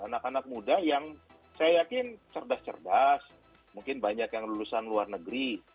anak anak muda yang saya yakin cerdas cerdas mungkin banyak yang lulusan luar negeri